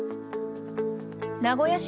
名古屋市